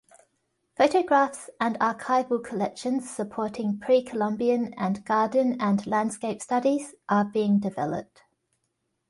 Photographs and archival collections supporting pre-Columbian and garden and landscape studies are being developed.